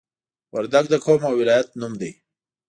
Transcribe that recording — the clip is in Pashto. وردګ د قوم او ولایت نوم دی